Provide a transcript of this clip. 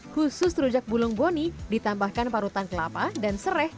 khusus rujak bulung boni ditambahkan parutan kelapa dan serai